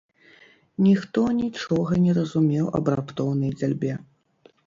Ніхто нічога не разумеў аб раптоўнай дзяльбе.